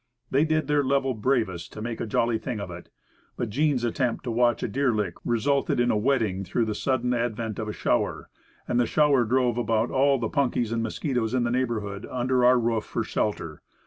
They did their level bravest to make a jolly thing of it; but Jean's attempt to watch a deerlick, resulted in a wetting through the sudden advent of a shower; and the shower drove about all the punkies and mosquitoes in the neighborhood under our roof for shelter.